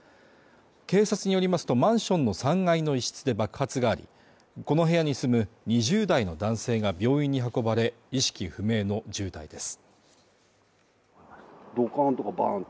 警察によりますとマンションの３階の一室で爆発がありこの部屋に住む２０代の男性が病院に運ばれ意識不明の重体です